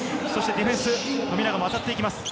ディフェンス、富永、当たっていきます。